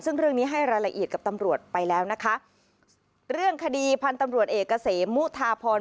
ซึ่งเรื่องนี้ให้รายละเอียดกับตำรวจไปแล้วนะคะเรื่องคดีพันธุ์ตำรวจเอกเกษมมุทาพร